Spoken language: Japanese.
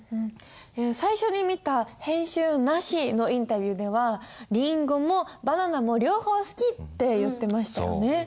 最初に見た編集なしのインタビューではりんごもバナナも両方好きって言ってましたよね。